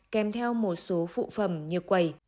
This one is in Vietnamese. kèm theo một số phụ phẩm như quầy